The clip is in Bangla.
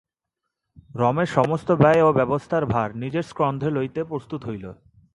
রমেশ সমস্ত ব্যয় ও ব্যবস্থার ভার নিজের স্কন্ধে লইতেই প্রস্তুত হইল।